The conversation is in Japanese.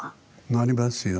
なりますよ。